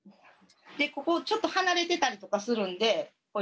でここちょっと離れてたりとかするんで小指も。